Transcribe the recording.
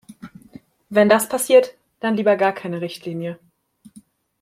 Wenn das passiert, dann lieber gar keine Richtlinie!